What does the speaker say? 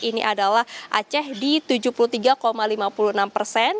ini adalah aceh di tujuh puluh tiga lima puluh enam persen